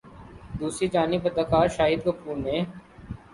دوسری جانب اداکار شاہد کپور نے